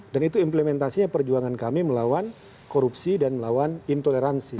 dan itu implementasinya perjuangan kami melawan korupsi dan melawan intoleransi